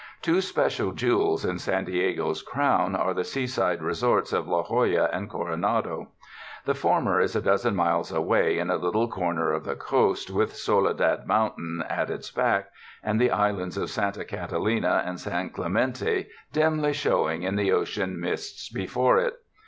Two special jewels in San Diego's crown are the seaside resorts of La Jolla and Coronado. The former is a dozen miles away in a little corner of the coast, with Soledad Mountain at its back, and the islands of Santa Catalina and San Clemente dimly showing in the ocean mists before it.